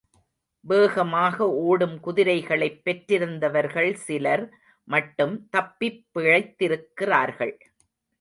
வேகமாக ஓடும் குதிரைகளைப் பெற்றிருந்தவர்கள் சிலர் மட்டும் தப்பிப் பிழைத்திருக்கிறார்கள்.